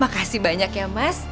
makasih banyak ya mas